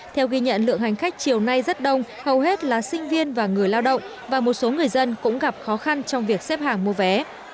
theo ghi nhận lượng hành khách chiều nay rất đông hầu hết là sinh viên và người lao động và một số người dân cũng gặp khó khăn trong việc xếp hàng mua vé